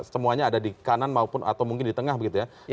semuanya ada di kanan maupun atau mungkin di tengah begitu ya